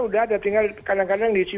udah ada tinggal kadang kadang diisi